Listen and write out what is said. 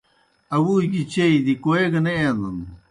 آوُوگیْ چیئی دیْ کوئے گہ نہ اینَن۔